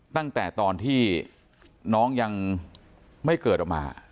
ตั้งแต่ตอนที่น้องยังไม่เกิดออกมา